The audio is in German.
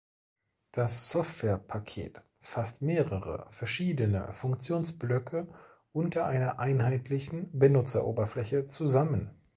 Das Softwarepaket fasst mehrere verschiedene Funktionsblöcke unter einer einheitlichen Benutzeroberfläche zusammen.